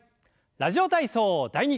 「ラジオ体操第２」。